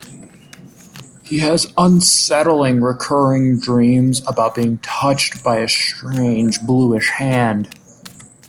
He has unsettling recurring dreams about being touched by a strange, bluish hand.